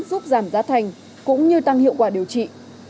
giúp giảm giá thành cũng như tăng hiệu quả điều trị